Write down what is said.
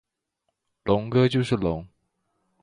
龙哥就是龙！